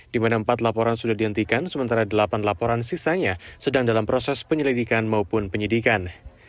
di mana empat laporan sudah dihentikan sementara delapan laporan sisanya sedang dalam proses penyelidikan maupun penyidikan